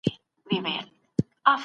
پوهه د ژوند پېچلې ستونزي حل کوي.